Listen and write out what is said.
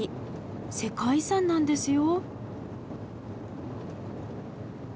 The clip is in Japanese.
世界遺産なんですよ。